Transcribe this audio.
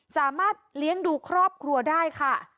สามารถเลี้ยงดูครอบครัวได้ค่ะ